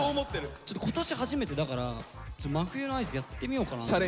ちょっと今年初めてだから真冬のアイスやってみようかなと思って。